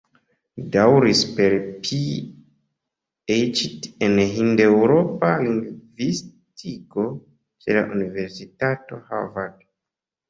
Li daŭris per PhD en hind-eŭropa lingvistiko ĉe la Universitato Harvard.